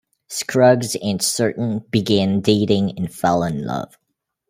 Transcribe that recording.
Scruggs and Certain began dating and fell in love.